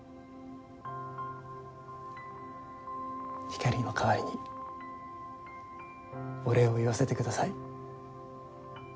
ひかりの代わりにお礼を言わせてください。